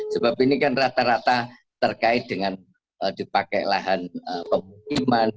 sebab ini kan rata rata terkait dengan dipakai lahan pemukiman